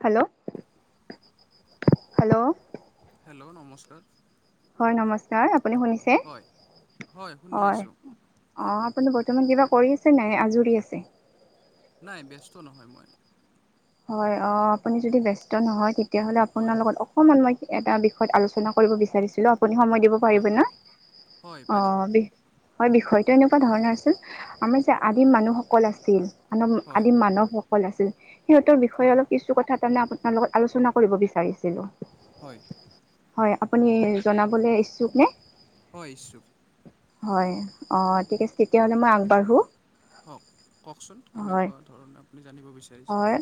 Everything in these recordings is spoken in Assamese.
Hello [inaudible] hello! হেল্ল'! নমস্কাৰ। হয় নমস্কাৰ। আপুনি শুনিছে? হয় শুনি হয়। আছোঁ অঁ আপুনি বৰ্তমান কিবা কৰি আছে নাই আজৰি আছে? নাই ব্যস্ত নহয় মই। হয়, অঁ আপুনি যদি ব্যস্ত নহয় তেতিয়াহ'লে হয় আপোনাৰ লগত অকমান মই এটা বিষয়ত আলোচনা কৰিব বিচাৰিছিলোঁ। আপুনি সময় দিব হয় পাৰিব না? হয় পাৰিম অঁ বি হয়, বিষয়টো এনেকুৱা ধৰণৰ চোন আমি যে আদিম মানুহসকল আছিল মানৱ হয় আদিম মানৱসকল আছিল সিহঁতৰ বিষয়ে হয় অলপ কিছু কথা তাৰমানে আপোনাৰ লগত আলোচনা কৰিব বিচাৰিছিলোঁ। হয়। হয়, আপুনি জনাবলে ইচ্ছুক নে? হয়, ইচ্ছুক। হয়, অঁ ঠিক আছে। তেতিয়াহ'লে মই আগবাঢ়ো? হওক কওকচোন হয় কেনেকুৱা ধৰণে আপুনি জানিব বিচাৰে? হয়।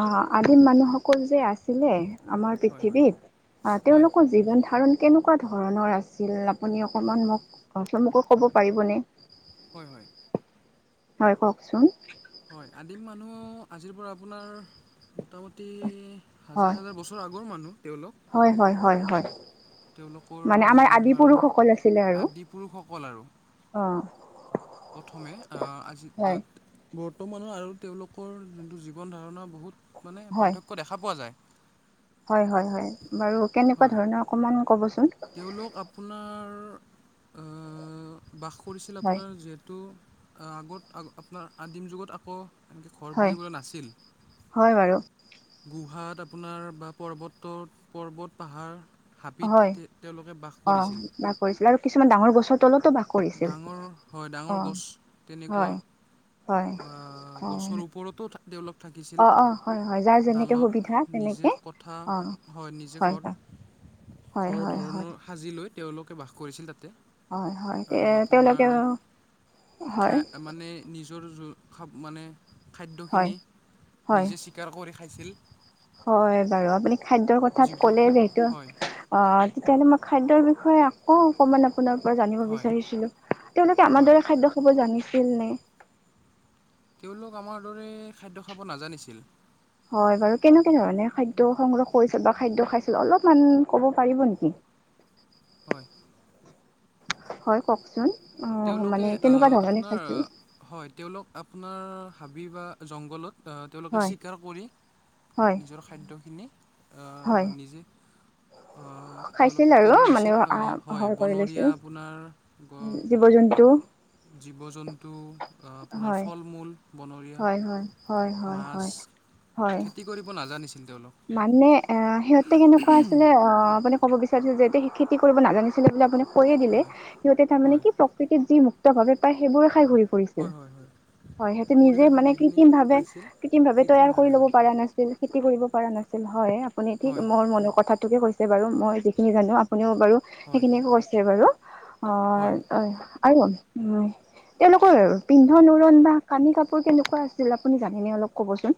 অঁ আদিম মানুহক সকল যে আছিলে আমাৰ হয় হয় পৃথিৱীত হয় তেওঁলোকৰ জীৱন ধাৰণ কেনেকুৱা ধৰণৰ আছিল আপুনি অকণমান মোক মুখে-মুখে ক'ব পাৰিবনে? হয়-হয়। হয়, কওক চোন? হয়। আদিম মানুহ আজিৰ পৰা আপোনাৰ মোটামুটি হয় হাজাৰ-হাজাৰ বছৰ আগৰ মানুহ তেওঁলোক। হয় হয় হয় হয় তেওঁলোকৰ মানে আমাৰ জীৱন আদি ধাৰণ পুৰুষসকল আদি পুৰুষসকল আৰু। অঁ। প্ৰথমে [unintelligible] আজি হয় বৰ্তমানৰ আৰু তেওঁলোকৰ যোনটো জীৱন-ধাৰণা বহুত মানে পাৰ্থক্য দেখা পোৱা যায়। হয়-হয়-হয়। বাৰু কেনেকুৱা হয় ধৰণৰ অকণমান ক'ব চোন? তেওঁলোক আপোনাৰ আহ বাস কৰিছিল হয় আপোনাৰ যিহেতু [unintelligible] আগত আপোনাৰ আদিম যুগত আকৌ এনেকৈ ঘৰ হয় বুলিবলৈ নাছিল। হয়, বাৰু। গুহাত আপোনাৰ বা পৰ্বতত পৰ্বত-পাহাৰ হয় হাবিত তে তেওঁলোকে বাস অ কৰিছিল। বাস কৰিছিল আৰু কিছুমান ডাঙৰ গছৰ তলতো বাস কৰিছিল ডাঙৰ হয় অ ডাঙৰ গছ তেনেকুৱা হয় হয় বা অ গছৰ ও ওপৰতো তেওঁলোক অ থাকিছিল। অ হয় হয় যাৰ যেনেকে সুবিধা ডালত তেনেকে নিজে কথা অ হয়, নিজে ঘৰ ঘৰৰ হয়-হয়। ধৰণৰ সাজি লৈ তেওঁলোকে বাস কৰিছিল তাতে। হয়-হয়। আৰু আপোনাৰ হয় খাই [unintelligible] মানে নিজৰ [unintelligible] মানে হয় খাদ্যখিনি নিজে চিকাৰ কৰি খাইছিল। হয় বাৰু। আপুনি খাদ্যৰ কথা জীৱ ক'লে যিহেতু হয় অঁ তেতিয়াহ'লে মই খাদ্যৰ বিষয়ে আকৌ অকমান আপো আপোনাৰ পৰা জানিব হয় বিচাৰিছিলোঁ। তেওঁলোকে আমাৰ হয় দৰে খাদ্য খাব জানিছিল নে? তেওঁলোক আমাৰ দৰে খাদ্য খাব নাজানিছিল। হয় বাৰু কেনেকে ধৰণে খাদ্য সংগ্ৰহ কৰিছিল বা খাদ্য খাইছিল অলপমান ক'ব পাৰিব নেকি? হয়। হয় কওঁকচোন অ', তেওঁলোকে মানে কেনেকুৱা ধৰণে আপোনাৰ খাইছিল। হয় তেওঁলোক আপনাৰ হাবি বা জংঘলত আ তেওঁলোকে হয় স্বীকাৰ কৰি হয় নিজৰ খাদ্যখিনি আ হয় নিজে আহ খাইছিল তেওঁলোকে আৰু কৰি মানে লৈছিল, হয় আহাৰ কৰি লৈছিল বনৰীয়া আপোনাৰ জীৱ জন্তু জীৱ জন্তু আ আপোনাৰ হয় ফল মূল। বনৰীয়া হয় হয় হয় হয় মাছ, হয় হয় খেতি কৰিব নাজানিছিল তেওঁলোক। মানে এ সিহঁতে কেনেকুৱা আছিলে অ', মানে ক'ব বিচাৰিছিল যিহেতু খেতি কৰিব নাজানিছিলে বুলি আপুনি কৈয়ে দিলে হয় সিহঁতে তাৰ মানে হয় কি প্ৰকৃতিত জি মোক মুক্তভাৱে পায় সেইবোৰে খাই ঘূৰি হয় ফুৰিছিল। হয় হয় হয় সেইটো নিজে পৰিৱেশত মানে যিখিনি কৃত্ৰিম ভাৱে পাইছিল কৃত্ৰিম ভাৱে তৈয়াৰ কৰি কৃত্ৰিমভাৱে ল'ব হয় পাৰা নাছিল। খেতি কৰিব পাৰা নাছিল হয়, আপুনি ঠিক হয় মোৰ মনৰ কথাটোকে কৈছে বাৰু মই যিখিনি জানো আপুনিও বাৰু হয় সেইখিনিকে কৈছে বাৰু। অ', হয় আৰু, হয়। তেওঁলোকৰ পিন্ধন উৰণ বা কানি কাপোৰ কেনেকুৱা আছিল আপুনি জানেনে অলপ ক'বচোন।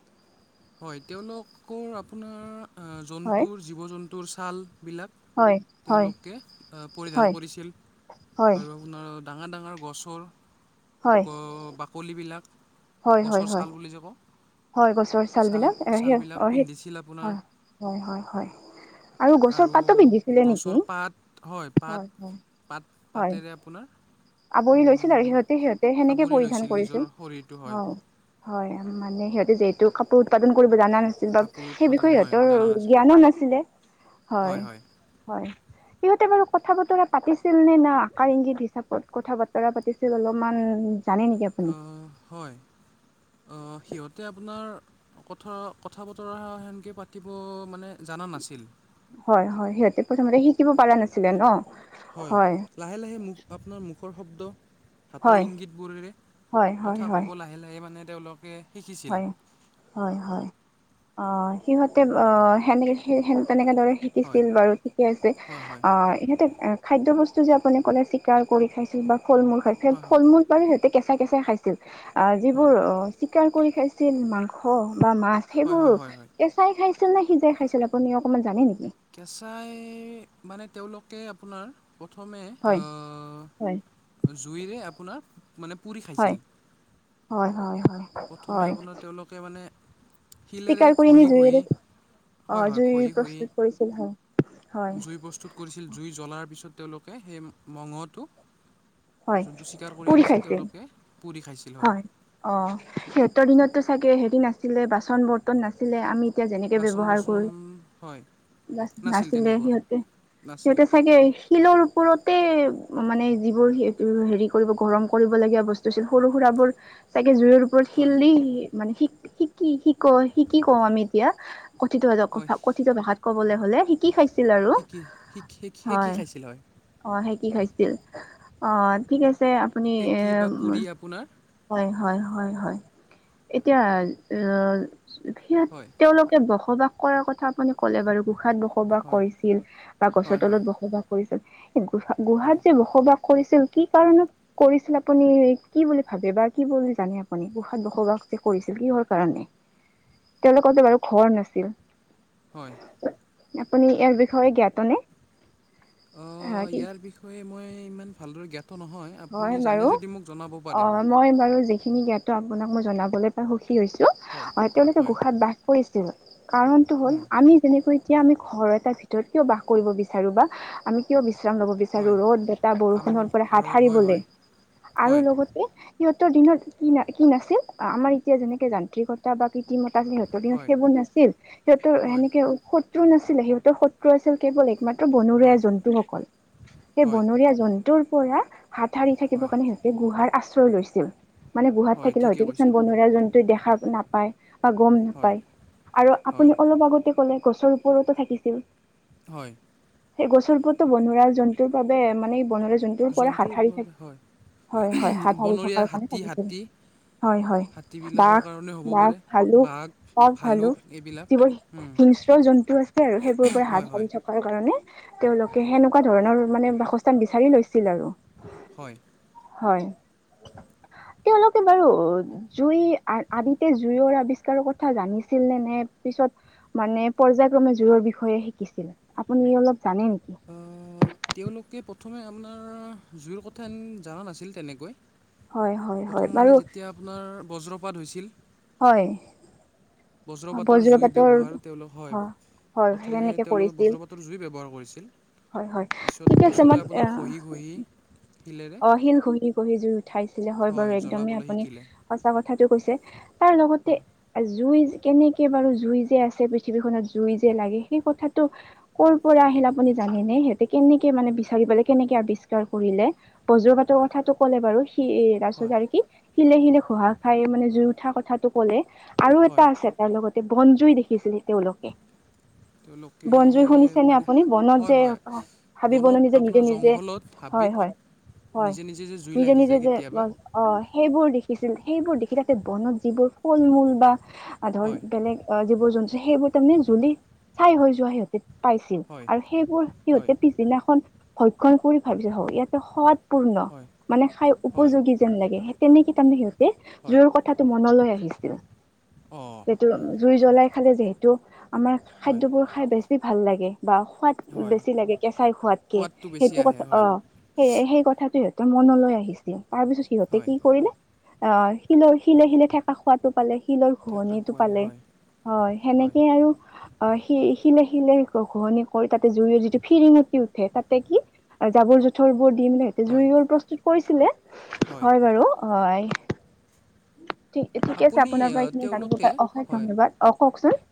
হয় তেওঁলোকৰ আপোনাৰ হয় জন্তুৰ জীৱ জন্তুৰ ছালবিলাক। হয় হয় তেওঁলোকে পৰিধান হয় কৰিছিল হয় আৰু আপোনাৰ। ডাঙাৰ ডাঙাৰ গছৰ হয় বাকলিবিলাক হয় হয় গছৰ হয় ছাল বুলি যে কওঁ। হয় গছৰ ছাল বিলাক এ সে, ছালবিলাক অ', সেই পিন্ধিছিল আপোনাৰ অ', হয় হয় হয়। আৰু গছৰ পাতো পিন্ধিছিলে গছৰ নেকি? পাত পাত হয় হয়। পাত পাতেৰে আপোনাৰ বৈ লৈছিল আৰু সিঁহতে সিহঁতে সেনেকে আৱৰি পৰিধান লৈছিল নিজৰ কৰিছিল শৰীৰটো হয় অ',। হয় মানে সিহঁতে যিহেতু কাপোৰ উৎপাদন কৰিব জানা নাছ বা কাপোৰ সেই উৎপাদন বিষয়ে হয় সহঁতৰ জানা নাছিল জ্ঞানো নাছিলে, হয়। হয় সিহঁতে বাৰু কথা বতৰা পাতিছিল নে না আকাৰ ইংগিত হিচাপত কথা বতৰা পাতিছিল অলপমান জানে নেকি আপুনি অ', হয় অ', সিহঁতে আপোনাৰ কথা, কথা বতৰা সেনকে পাতিব মানে জানা নাছিল। হয় হয়, সিহঁতে প্ৰথমতে শিকিব পাৰা নাছিলে ন? হয়। লাহে লাহে মুখ আপোনাৰ মুখৰ শব্দ হাতৰ হয় ইংগিতবোৰেৰে হয় হয় কথা হয় ক'ব লাহে লাহে মানে তেওঁলোকে শিকিছিল হয়। হয় হয়, অ', সিহঁতে অ', সেনেলিছি সেন তেনেকা দৰে হয় কিছিল বাৰু ঠিকে আছে হয় হয় অ', ইহঁতে খাদ্যবস্তু যে আপুনি ক'লে চিকাৰ কৰি খাইছিল বা ফল মূল খাই, হয় হয় ফল মূল বাৰু সিহঁতে কেঁচা কেঁচাই খাইছিল। আহ হয় যিবোৰ অ', চিকাৰ কৰি খাইছিল মাংস বা মাছ হয় সেইবোৰ হয় হয় হয় চাই খাইছিল নে সিজাই খাইছিল আপুনি অকণমান জানে নেকি? কেঁচাই মানে তেওঁলোকে আপোনাৰ প্ৰথমে আ হয় হয় জুইৰে আপোনাৰ মানে পুৰি হয় খাইছিল। হয় হয় হয়। প্ৰথমে হয় আপোনাৰ তেওঁলোকে মানে শিলেৰে চিকাৰ কৰি নি খহি ঘহি জুইৰে অ হয়। হয়। জুই খহি ঘহি প্ৰস্তুত কৰিছিল হয়। হয় জুই প্ৰস্তুত কৰিছিল। জুই জ্বলাৰ পিছত তেওঁলোকে সেই মঙটো হয় যোনটো চিকাৰ কৰি আনিছিল। তেওঁলোকে পুৰি খাইছ হয়। অ', সিহঁতৰ দিনততো চাগে হেৰি নাছিলে। বাচন বৰ্তন নাছিলে। আমি এতিয়া যেনেকে বাচন ব্যৱহাৰ বচন কৰি হয় [unintelligible] নাছিল নাছিলে। তেনেকুৱা সিহঁতে নাছিল সিহঁতে চাগে শিলৰ ওপৰতে মানে যিবোৰ হেৰি কৰিব গৰম কৰিবলগীয়া বস্তু আছিল। সৰু সুৰাবোৰ চাগে জুইৰ ওপৰত হয় শিল দি মানে শিক শি কি শিক শিকি কওঁ আমি এতিয়া কথিত হয় কথিত ভাষাত ক'বলৈ হ'লে শিকি খাইছিল আৰু [unintelligible] শিকি শিকি হয় খাইছিল হয়। অ', হে কি খাইছিল? অ', ঠিক আছে আপুনি এ সেকি বা পুৰি আপোনাৰ হয়। হয়। হয়। হয়। এতিয়া সি হয় তেওঁলোকে বসবাস কৰাৰ কথা আপুনি ক'লে বাৰু গোঁসাত দোষ বসবাস হয় কৰিছিল বা গছৰ হয় হয় তলত বসবাস কৰিছিল। এ গু গুহাত হয় যে বসবাস কৰিছিল কি কাৰণত কৰিছিল? আপুনি কি বুলি ভাবে বা কি বুলি জানে আপুনি গুসাত বসবাস যে কৰিছিল কিহৰ কাৰণে? তেওঁলোকতে বাৰু ঘৰ নাছিল। হয়। আপুনি ইয়াৰ বিষয়ে জ্ঞাতনে? অ', ইয়াৰ বিষয়ে মই ইমান ভালদৰে জ্ঞাত নহয়। আপুনি হয়। জানে বাৰু যদি মোক জনাব পাৰে অ', হয় মই বাৰু যিখিনি জ্ঞাত আপোনাক মই জনাবলে সুখী হৈছোঁ। হয় তেওঁলোকে হয় গোঁসাত বাস কৰিছিল। কাৰণটো হ'ল উম, আমি যেনেকৈ এতিয়া আমি ঘৰৰ এটা ভিতৰত কিয় বাস কৰিব বিচাৰোঁ বা আমি কিয় বিশ্ৰাম লব বিচাৰো হয় ৰ'দ বটা আমি বৰষুণৰ পৰা হাত ৰ'দ হয় সাৰিবলৈ হয় আৰু হয় লগত সিহঁতৰ দিনত কি কি নাছিল? আমাৰ এতিয়া যেনেকে যান্ত্ৰিকতা বা কৃতিত্ব [unintelligible] হয় সেইবোৰ নাছিল। সিহঁতৰ হয় সেনেকে শত্ৰু নাছিলে। সিহঁতৰ শত্ৰু আছিল। কেৱল একমাত্ৰ হয় বনৰীয়া জন্তুসকল। সেই হয় বনৰীয়া জন্তুৰ পৰা হাত সাৰি থাকিব হয় কাৰণে গুহাৰ আশ্ৰয় লৈছিল। মানে গুহাত হয় থাকিলে ঠিকে হয়তো কৈছে কিছুমান আপুনি বন্ধুৰীয়া জন্তুৱে দেখা নাপায় বা গম হয় নাপায়। আৰু হয় আপুনি অলপ আগতে কলে গছৰ ওপৰতো থাকিছিল। হয়। সেই গছ ওপৰটো বনৰীয়া জন্তুৰ বাবে মানে বন জন্তুৰ পৰা জন্তু হাত সাৰি থ হয় হয়। হয়। হাত সাৰি বনৰীয়া থকাৰ কাৰণে হাতী ভাবিছিল। হাতী হয়। হয়। হাতীবিলাকৰ বাঘ কাৰণে হ'ব বাঘ, পাৰে ভালুক, বাঘ বাঘ, ভালুক এইবিলাক যিবোৰ উম, হিংস্ৰ জন্তু আছে, আৰু সেইবোৰৰ পৰা হয় হাত হয় সাৰি কাৰণে তেওঁলোকে সেনেকুৱা ধৰণৰ মানে বাসস্থান বিচাৰি লৈছিল আৰু হয়। হয়। তেওঁলোকে বাৰু জুই আদিতে জুইৰ আৱিষ্কাৰৰ কথা জানিছিল নে? নে পিছত মানে পৰ্যায়ক্ৰমে জুইৰ বিষয়ে শিকিছিল আপুনি অলপ জানে নেকি? তেওঁলোকে প্ৰথমে আপোনাৰ জুইৰ কথা জনা নাছিল। তেনেকৈ হয় হয় হয় প্ৰথম মানে বাৰু যেতিয়া আপোনাৰ বজ্ৰপাত হৈছিল। হয়। বজ্ৰপাতৰ জুই ব্যৱহাৰ তেওঁলোক হয়। হয় প্ৰথমে সেনেকে তেওঁলোকে কৰিছিল বজ্ৰপাতৰ জুই ব্যৱহাৰ কৰিছিল। হয় হয় ঠিক পিছত আছে মই পিছলৈ আপোনাৰ আহ ঘঁহি ঘঁহি অ, শিল ঘঁহি ঘঁহি জুই উঠাইছিলে, হয় বাৰু একদমেই জ্বলাবলৈ আপুনি শিকিলে সঁচা কথাটো কৈছে। তাৰ লগতে হয়, জুই কেনেকে বাৰু জুই যে আছে পৃথিৱীখনত, জুই যে লাগে সেই কথাটো ক'ৰ পৰা আহিল আপুনি জাননে? সিহঁতে কেনেকে মানে বিচাৰি পালে? কেনেকে আৱিষ্কাৰ কৰিলে? বজ্ৰ পাতৰ কথাটো ক'লে বাৰু সি এ হয়, তাৰপিছত আৰু কি? শিলে শিলে ঘুহা খাই মানে জুই উঠা কথাটো ক'লে। আৰু হয়। এটা আছে তাৰ লগতে বনজুই দেখিছিলে তেওঁলোকে। তেওঁলোকে বনজুই শুনিছেনে মানে আপুনি বনত যে হয় হয়, হাবি বনত বননি যে নিজে আপোনাৰ নিজে জংঘলত হয় হাবিত হয় নিজে নিজে যে জুই লাগি যায় কেতিয়াবা? অঁ সেইবোৰ দেখিছিল। সেইবোৰ দেখি থাকে বনত যিবোৰ ফল মূল বা ধৰ হয়, বেলেগ অ জীৱ জন্তু সেইবোৰ তাৰমানে জ্বলি চাই হৈ যোৱা সিহঁতে পাইছিল হয়, আৰু সেইবোৰ হয়, সিহঁতে পিছদিনাখন ভক্ষণ কৰি ভাবিছে [unintelligible] ইয়াত সোৱাদ পূৰ্ণ হয়, মানে খাই হয়, উপযোগী যেন লাগে। সে তেনেকে তাৰমানে সিহঁত তে হয়, জুইৰ কথাটো মনলৈ আহিছিল। অ', সেইটো জুই জ্বলাই খালে যিহেতু, আমাৰ হয়, খাদ্যবোৰ খাই বেছি ভাল লাগে বা সোৱাদ হয়। বেছি লাগে কেঁচাই খোৱাতকে সোৱাদটো বেছি সেইটো আহে [unintelligible] হয়, অ। সেই সেই কথাটো সিহঁতৰ মনলৈ আহিছিল। তাৰ পিছত সিহঁতে হয়, কি কৰিলে? অ, শিলৰ শিলে শিলে ঠেকা খোৱাটো পালে। শিলৰ ঠেকা ঘহনীটো খোৱালে পালে। হয়, হয়, সেনেকে আৰু অ, শি শিলে শিলে ঘঁহনি কৰি তাতে জুইৰে যিটো ফিৰিঙতি উঠে, তাতে কি? জাবৰ জোথৰ বোৰ দি মেলি সিহঁতি হয়, জুইয়ৰ প্ৰস্তুত কৰিছিলে। হয় বাৰু হয়। ঠি ঠিকে আছে আপুনি আপোনাৰ পৰা আহ, এইখিনি জানিব তেওঁলোকে পাই অশেষ হয়, ধন্যবাদ। অ, কওকচোন?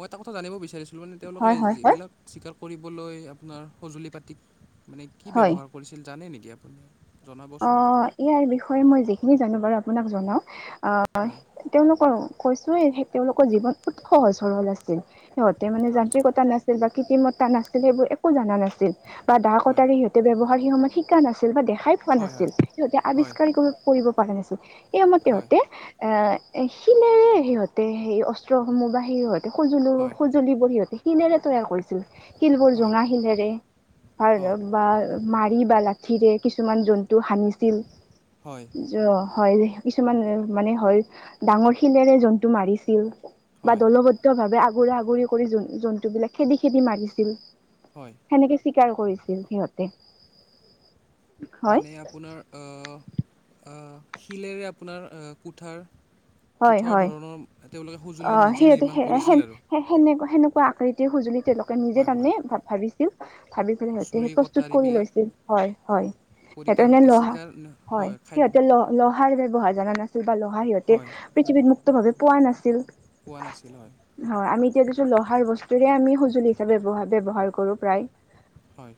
মই এটা কথা জানিব বিচাৰিছিলোঁ মানে তেওঁলোকে হয় হয় হয় যিবিলাক স্বীকাৰ কৰিবলৈ আপোনাৰ সঁজুলি পাতিক মানে কি হয় ব্যৱহাৰ কৰিছিল জানে নেকি আপুনি? অ, জনাবচোন? ইয়াৰ বিষয়ে মই যিখিনি জানো বাৰু আপোনাক জনাও? আহ, হয়, তেওঁলোকৰ কৈছোয়ে তেওঁলোকৰ জীৱন অতি সহজ সৰল আছিল। সিহঁতে মানে যান্ত্ৰিকতা নাছিল বা কৃত্ৰিমত্তা নাছিল। সেইবোৰ একো জনা নাছিল বা দা হয়। কটাৰী সিহঁ তে ব্যৱহাৰ সেই সময়ত শিকা নাছিল বা দেখাই পোৱা হয় হয় নাছিল। সিহঁতে হয় আৱিষ্কাৰি কৰি কৰিব পাৰা নাছিল। সেই সময়ত হয় তেহঁতে, এ শিলেৰে সিহঁতে সেই অস্ত্ৰসমূহ বা সিহঁত তে সজুলু হয় সঁজুলিবোৰ সিহঁতে শিলেৰে তৈয়াৰ কৰিছিল। শিল বোৰ হয় জোঙা শিলেৰে। অঁ [unintelligible] মাৰি বা লাঠিৰে কিছুমান জন্তু হানিছিল। হয় জ, হয়। কিছুমান মানে হয় ডাঙৰ শিলেৰে জন্তু মাৰিছিল বা হয় দলবদ্ -ধ ভাৱে আগুৰা আগুৰি কৰি জ জন্তুবিলাক খেদি খেদি মাৰিছিল। হয়। সেনেকে চিকাৰ কৰিছিল সিহঁতে। হয় মানে আপোনাৰ অ, অ শিলেৰে আপোনাৰ কুঠাৰ হয় কুঠাৰ হয় ধৰণৰ তেওঁলোকে সঁজুলি নিজে নিৰ্মাণ কৰিছিল আৰু। সে সেনে সেনেকুৱা আকৃতিৰ সঁজুলি তেওঁলোকে নিজে হয় হয় তাৰমানে ভা ভাবি ছিল। ভাবি পেলে সিহঁতে চুৰি প্ৰস্তুত কৰি কটাৰীবিলাক লৈছিল। হয় হয়। কৰি তেওঁলোকে [unintelligible] চিকাৰ ন- হয় খাদ্য সিহঁতে ল লহাৰ ব্যৱহাৰ জনা নাছিল বা লহা সিহঁতে হয় পৃথিৱীত মুুক্ত ভাৱে পোৱা নাছিল পোৱা নাছিল হয়। হয় আমি এতিয়া দিছো লহাৰ বস্তুৰে আমি সঁজুলি হিচাপে ব্যৱহাৰ কৰো প্ৰায় হয়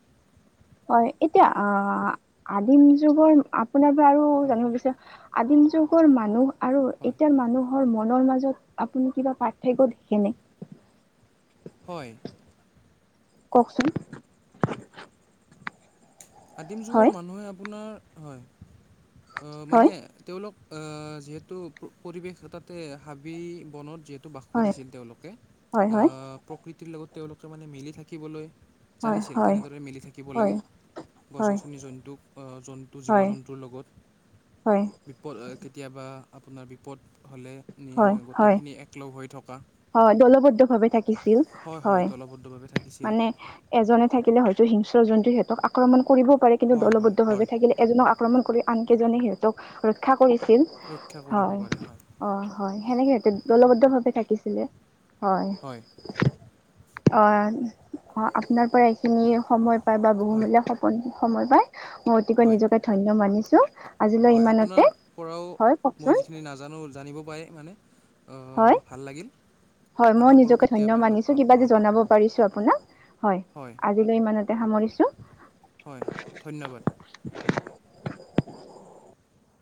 হয় এতিয়া আহ আদিম যুগৰ আপোনাৰ পৰা আৰু হয় জানিব বিচাৰে আদিম যুগৰ মানুহ আৰু হয় এতিয়াৰ মানুহ মনৰ মাজত আপুনি কিবা পাৰ্থক্য দেখেনে? হয় কওকচোন? আদিম যুগৰ হয় মানুহে আপোনাৰ হয় হয় মানে তেওঁলোক যিহেতু পৰিৱেশ তাতে হাবি বনত যিহেতু বাস হয় কৰিছিল তেওঁলোকে হয় হয় প্ৰকৃতিৰ লগত তেওঁলোকে মানে মিলি থাকিবলৈ হয় জানিছিল হয় কেনেদৰে মিলি থাকিব হয় হয় লাগে। গছ হয় গছনি জন্তুক জন্তু জীৱ জন্তুৰ হয় লগত বিপদ কেতিয়াবা আপোনাৰ বিপদ হ'লে হয় হয় গোটেইখিনি একলগ হৈ থকা হয় দলবদ্ধ ভাৱে থাকিছিল হয় মানে এজনে থাকিলে হয়তো হিংস্ৰ জন্তু সিহঁতক আক্ৰমণ কৰিবও পাৰে কিন্তু হয় হয় দলবদ্ধভাৱে হয় থাকিলে এজনক আক্ৰমণ কৰি আনকেইজনে সিহঁতক ৰক্ষা কৰিছিল ৰক্ষা কৰিব হয় পাৰে অ হয় সেনেকে দলবদ্ধ ভাৱে থাকিছিল। অ হয় আপোনাৰ পৰা এইখিনি সময় পায় বা হয় বহুমূলীয়া সপোন সময় পায় মই অতিকৈ হয় নিজকে ধন্য মানিছো আজিলৈ হয় ইমানতে আপোনাৰ পৰাও হয় মই কওকচোন যিখিনি নাজানো জানিব পাৰি মানে হয় ভাল লাগিল। মই আশা কৰোঁ নিজকে ধন্য কেতিয়াবা লগ মানিছো পাম কিবা যে হয় জনাব পাৰিছ আপোনাক হয় আজিলৈ ইমানতে সামৰিছো। হয় ধন্যবাদ। [unintelligible]